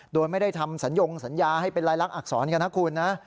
โดยไม่ได้ทำสัญญงสัญญาให้เป็นรายลักษณอักษรกันนะคุณนะ